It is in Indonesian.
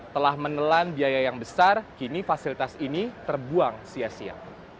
telah menelan biaya yang besar kini fasilitas ini terbuang sia sia